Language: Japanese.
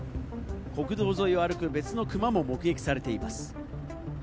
国道沿いを歩く別のクマも目撃されています。